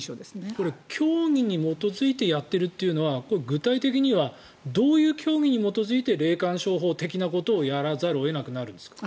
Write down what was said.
教義に基づいてやっているというのはこれは具体的にはどういう教義に基づいて霊感商法的なことをやらざるを得なくなるんですか？